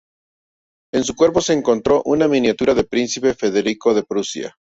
En su cuerpo se encontró una miniatura del príncipe Federico de Prusia.